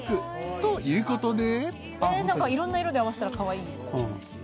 ［ということで］